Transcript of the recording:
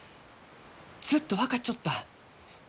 ずっと分かっちょった！